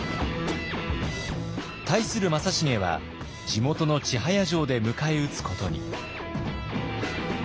対する正成は地元の千早城で迎え撃つことに。